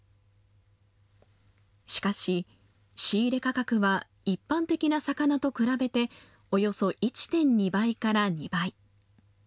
しかし仕入れ価格は一般的な魚と比べて、およそ１．２倍から２倍。